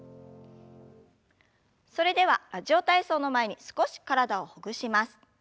それでは「ラジオ体操」の前に少し体をほぐします。